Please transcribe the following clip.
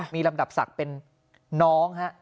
มีลำดับศักดิ์เป็นน้องฮะ